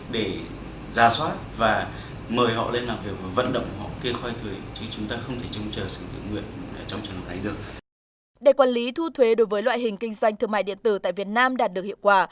để quản lý thu thuế đối với loại hình kinh doanh thương mại điện tử tại việt nam đạt được hiệu quả